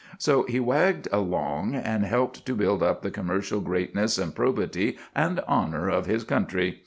So he wagged along and helped to build up the commercial greatness and probity and honour of his country.